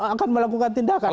akan melakukan tindakan